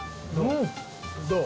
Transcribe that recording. どう？